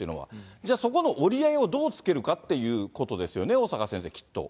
じゃあ、そこの折り合いをどうつけるかっていうことですよね、小坂先生、きっと。